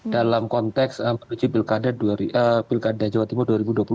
dalam konteks menuju pilkada jawa timur dua ribu dua puluh